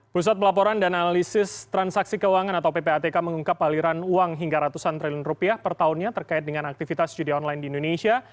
pusat pelaporan dan analisis transaksi keuangan atau ppatk mengungkap aliran uang hingga ratusan triliun rupiah per tahunnya terkait dengan aktivitas judi online di indonesia